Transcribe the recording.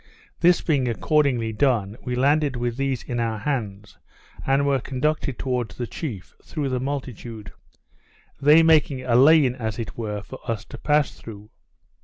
This being accordingly done, we landed with these in our hands, and were conducted towards the chief, through the multitude; they making a lane, as it were, for us to pass through.